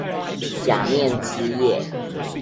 假面之夜